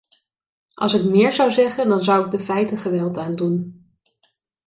Als ik meer zou zeggen, dan zou ik de feiten geweld aan doen.